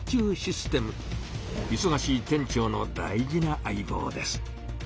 いそがしい店長の大事な相棒です。